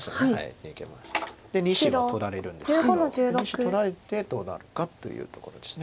この石取られてどうなのかというところです。